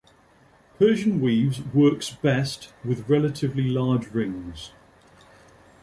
Persian weaves works best with relatively large rings.